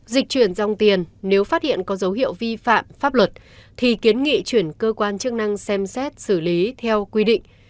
dịch chuyển dòng tiền nếu phát hiện có dấu hiệu vi phạm pháp luật thì kiến nghị chuyển cơ quan chức năng xem xét xử lý theo quy định